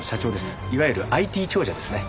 いわゆるＩＴ長者ですね。